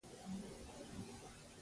دیني او عصري علومو پوهان قدرول.